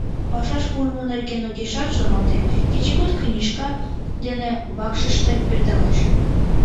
Пашаш пурымо нерген огешат шоналте, кечыгут книжка дене вакшыште пӧрдалеш.